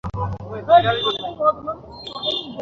এটা তাদের কিতাবের কথা।